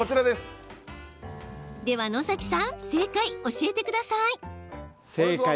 では野さん正解教えてください。え！？